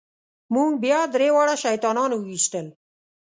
موږ بیا درې واړه شیطانان وويشتل.